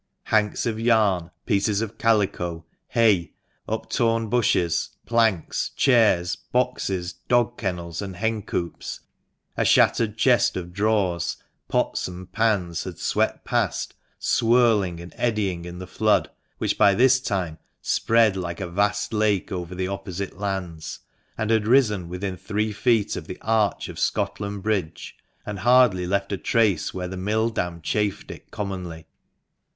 Hanks of yarn, pieces of calico, hay, uptorn bushes, planks, chairs, boxes, dog kennels, and hen coops, a shattered chest of drawers, pots and pans, had swept past, swirling and eddying in the flood, which by this time spread like a vast lake THE MANCHESTER MAN. 5 over the opposite lands, and had risen within three feet of the arch of Scotland Bridge, and hardly left a trace where the mill dam chafed it commonly.